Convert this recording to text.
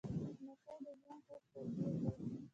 لمسی د ژوند خوږ تعبیر دی.